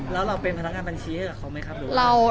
แล้วเราเป็นผู้ที่ทำบัญชีให้เขาไหมครับ